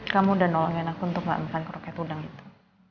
kamu udah nolongin aku untuk gak makan ke roket udang itu